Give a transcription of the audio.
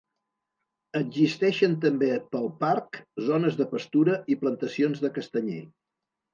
Existeixen també pel parc zones de pastura i plantacions de castanyer.